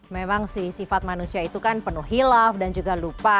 memang si sifat manusia itu kan penuh hilaf dan juga lupa